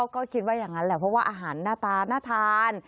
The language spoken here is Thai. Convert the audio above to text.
ก็คิดว่าอย่างนั้นแหละเพราะว่าอาหารหน้าตาน่าทาน